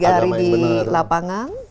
tiga hari di lapangan